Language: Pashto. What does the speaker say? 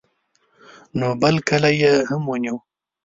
نو بل کلی یې هم ونیو.